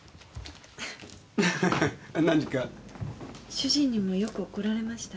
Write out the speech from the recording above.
主人にもよく怒られました。